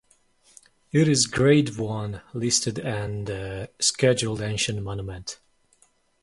It is Grade One listed and a Scheduled Ancient Monument.